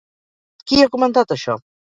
Qui ha comentat això?